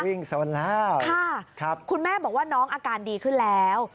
สนแล้วค่ะครับคุณแม่บอกว่าน้องอาการดีขึ้นแล้ว